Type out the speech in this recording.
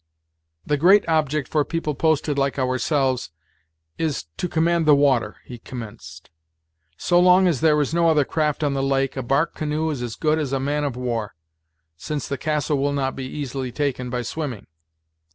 "The great object for people posted like ourselves is to command the water," he commenced. "So long as there is no other craft on the lake, a bark canoe is as good as a man of war, since the castle will not be easily taken by swimming.